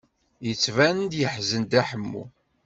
Yettban-d yeḥzen Dda Ḥemmu.